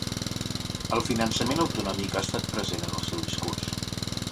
El finançament autonòmic ha estat present en el seu discurs.